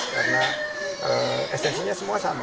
karena esensinya semua sama